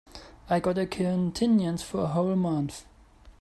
I got a continuance for a whole month.